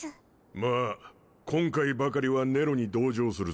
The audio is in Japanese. まぁ今回ばかりはネロに同情するぜ。